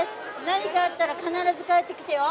何かあったら必ず帰ってきてよ。